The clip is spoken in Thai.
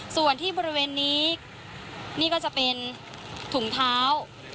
ส่วนที่บริเวณนี้นี่ก็จะเป็นถุงเท้า